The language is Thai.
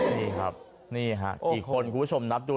นี่ค่ะกี่คนคุณผู้ชมนับดู